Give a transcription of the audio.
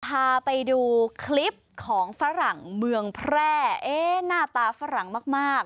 พาไปดูคลิปของฝรั่งเมืองแพร่เอ๊ะหน้าตาฝรั่งมากมาก